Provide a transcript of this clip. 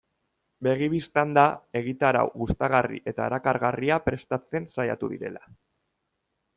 Begi bistan da egitarau gustagarri eta erakargarria prestatzen saiatu direla.